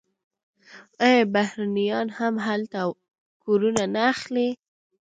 آیا بهرنیان هم هلته کورونه نه اخلي؟